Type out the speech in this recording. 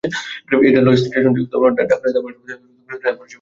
এই রেলওয়ে স্টেশনটি ঢাকুরিয়া ও তার পার্শ্ববর্তী এলাকাগুলিতে রেল পরিষেবা প্রদান করে।